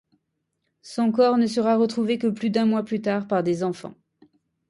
Son corps ne sera retrouvé que plus d’un mois plus tard par des enfants.